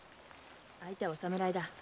相手はお侍だ。